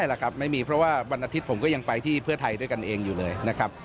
แหละครับไม่มีเพราะว่าวันอาทิตย์ผมก็ยังไปที่เพื่อไทยด้วยกันเองอยู่เลยนะครับ